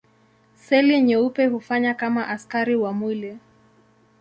Seli nyeupe hufanya kama askari wa mwili.